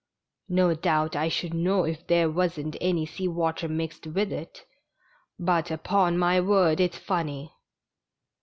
"No doubt I should know if there wasn't any sea water mixed with it, but, upon my word, it's funny."